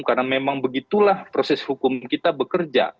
karena memang begitulah proses hukum kita bekerja